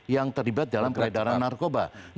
yang terlibat dalam peredaran narkoba